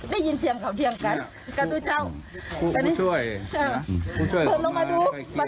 ได้ยินเสียงที่เขาเที่ยงกัน